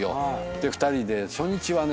で２人で初日はね